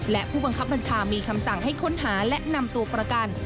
และผู้บังคับบัญชามีคำสั่งให้ค้นหาและนำตัวประกัน